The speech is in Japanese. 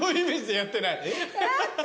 やってない！